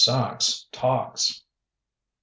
SACHS TALKS I.